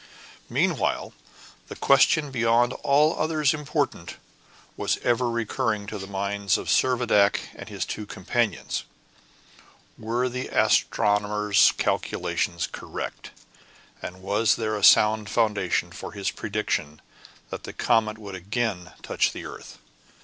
Meanwhile, the question beyond all others important was ever recurring to the minds of Servadac and his two companions: were the astronomer's calculations correct, and was there a sound foundation for his prediction that the comet would again touch the earth?